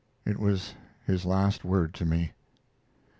It was his last word to me.